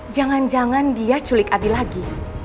jangan jangan dia culik abi lagi